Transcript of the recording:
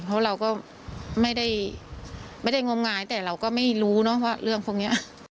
เพราะเราก็ไม่ได้งมงายแต่เราก็ไม่รู้เนอะว่าเรื่องพวกนี้